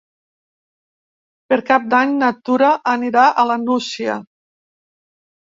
Per Cap d'Any na Tura anirà a la Nucia.